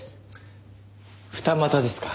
二股ですか。